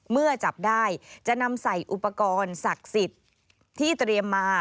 เมื่อจับได้จะนำใส่อุปกรณ์ศักดิ์สิทธิ์ที่เตรียมมา